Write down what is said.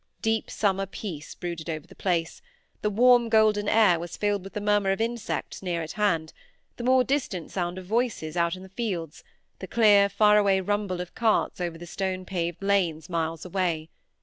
Deep summer peace brooded over the place; the warm golden air was filled with the murmur of insects near at hand, the more distant sound of voices out in the fields, the clear faraway rumble of carts over the stone paved lanes miles away.